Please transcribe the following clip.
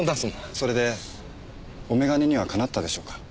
それでお眼鏡にはかなったでしょうか？